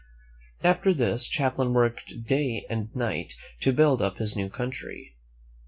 After this, Champlain worked day and night to build up his new country.